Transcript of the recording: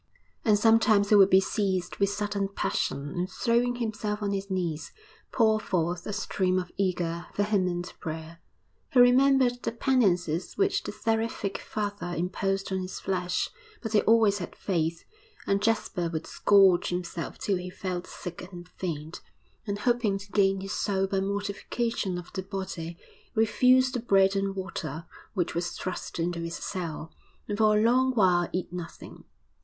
And sometimes he would be seized with sudden passion and, throwing himself on his knees, pour forth a stream of eager, vehement prayer. He remembered the penances which the seraphic father imposed on his flesh but he always had faith; and Jasper would scourge himself till he felt sick and faint, and, hoping to gain his soul by mortification of the body, refuse the bread and water which was thrust into his cell, and for a long while eat nothing.